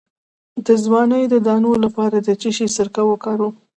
د ځوانۍ د دانو لپاره د څه شي سرکه وکاروم؟